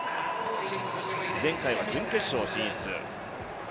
前回は準決勝進出。